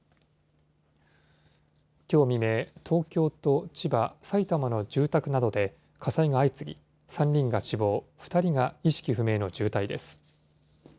きょう未明、東京と千葉、埼玉の住宅などで火災が相次ぎ、３人が死亡、２人が意識不明の重体です。